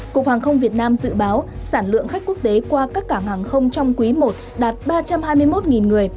cục hàng không việt nam dự báo sản lượng khách quốc tế qua các cảng hàng không trong quý i đạt ba trăm hai mươi một người